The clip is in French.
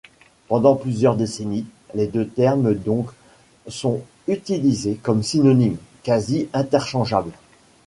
Pendant plusieurs décennies, les deux termes donc sont utilisés comme synonymes, quasi interchangeables.